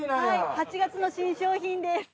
８月の新商品です。